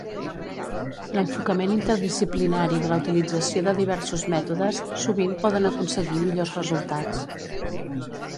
L'enfocament interdisciplinari de la utilització de diversos mètodes sovint poden aconseguir millors resultats.